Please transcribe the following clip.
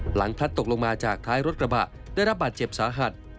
พลัดตกลงมาจากท้ายรถกระบะได้รับบาดเจ็บสาหัส